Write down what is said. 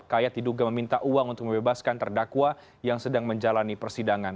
kayat diduga meminta uang untuk membebaskan terdakwa yang sedang menjalani persidangan